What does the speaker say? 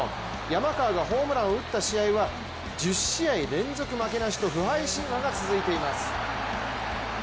山川がホームランを打った試合は１０試合連続負けなしと不敗神話が続いています。